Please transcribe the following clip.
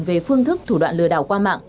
về phương thức thủ đoạn lừa đảo qua mạng